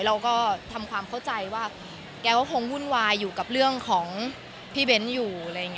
เราก็ทำความเข้าใจว่าแกก็คงหุ้นวายอยู่กับเรื่องของพี่เบ้นอยู่